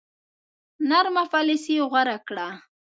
نرمه پالیسي غوره کړه.